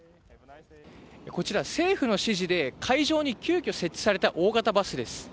こちら、政府の指示で会場に急きょ設置された大型バスです。